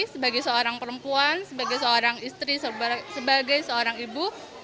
sebagai seorang perempuan sebagai seorang istri sebagai seorang ibu